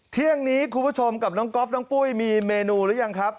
เที่ยงนี้คุณผู้ชมกับน้องก๊อฟน้องปุ้ยมีเมนูหรือยังครับ